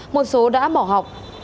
một số đã bỏ học